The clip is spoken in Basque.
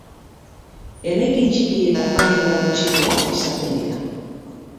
Eraikin txiki eta apaindura gutxikoak izaten dira.